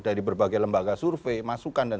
dari berbagai lembaga survei masukan dan